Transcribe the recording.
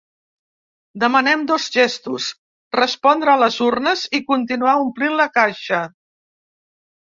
Demanem dos gestos: respondre a les urnes i continuar omplint la caixa.